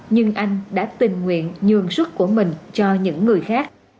nhưng anh đã tình nguyện nhường sức của mình cho những người khác